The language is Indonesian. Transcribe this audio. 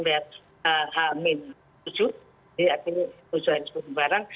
jadi akhirnya perusahaan diberikan perlumbaan